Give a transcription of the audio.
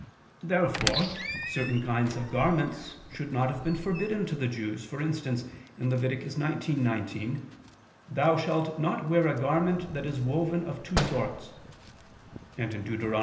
Therefore certain kinds of garments should not have been forbidden to the Jews: for instance (Lev. 19:19): "Thou shalt not wear a garment that is woven of two sorts": and (Deut.